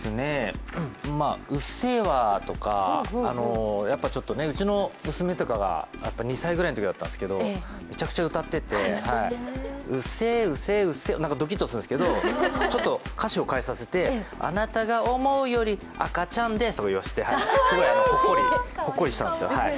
「うっせぇわ」とかうちの娘とかが２歳ぐらいのときだったんですけど、めちゃくちゃ歌ってて、「うっせぇうっせぇうっせぇわ」なんかドキッとするんですがちょっと歌詞を変えさせて、あなたが思うより赤ちゃんですとか言わせてほっこりしました。